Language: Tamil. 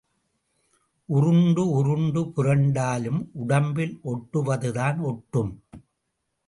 உருண்டு உருண்டு புரண்டாலும் உடம்பில் ஒட்டுவதுதான் ஒட்டும்.